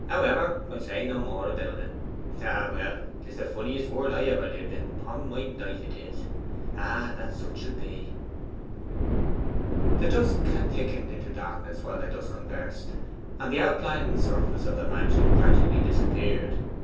However I'll say no more about it....Ah, well! 'tis the funniest world ever I lived in upon my life 'tis. Ah, that such should be!' The dusk had thickened into darkness while they thus conversed, and the outline and surface of the mansion gradually disappeared.